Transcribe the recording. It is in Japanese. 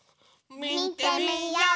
みてみよう！